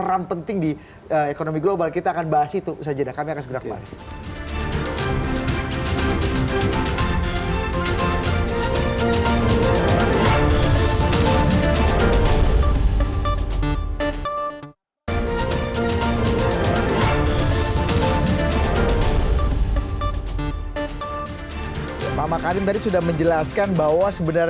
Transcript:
apa indikasinya saya bukan alir